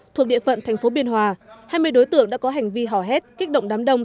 thuộc địa phận thành phố biên hòa hai mươi đối tượng đã có hành vi hỏa hét kích động đám đông